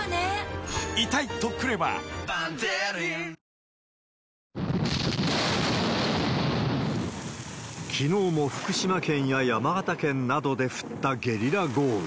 今回の台風を教訓に、きのうも福島県や山形県などで降ったゲリラ豪雨。